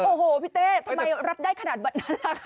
โอ้โฮพี่เต้ทำไมภรรยากันได้ขนาดเบอร์นั้นล่ะคะ